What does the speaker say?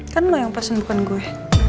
kan lo yang pasang bukan gue